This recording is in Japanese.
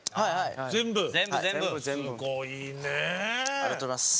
ありがとうございます。